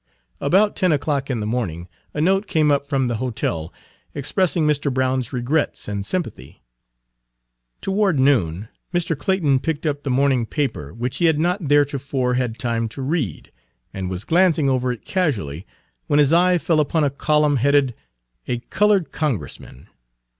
About ten o'clock in the morning a note came up from the hotel, expressing Mr. Brown's regrets and sympathy. Toward noon Mr. Clayton picked up the morning paper, which he had not theretofore had time to read, and was glancing over it casually, when his eye fell upon a column headed "A Colored Congressman."